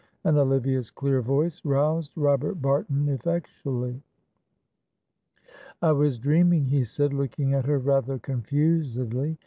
and Olivia's clear voice roused Robert Barton effectually. "I was dreaming," he said, looking at her rather confusedly.